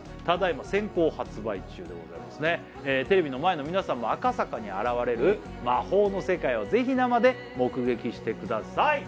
ただいま先行発売中でございますねテレビの前の皆さんも赤坂に現れる魔法の世界をぜひ生で目撃してください